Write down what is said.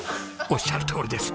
おっしゃるとおりです。